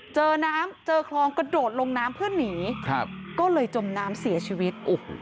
เจอน้ำเจอคลองกระโดดลงน้ำเพื่อหนีก็เลยจมน้ำเสียชีวิต